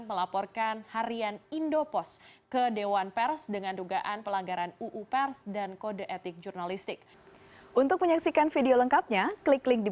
melaporkan harian indopos ke dewan pers dengan dugaan pelanggaran uu pers dan kode etik jurnalistik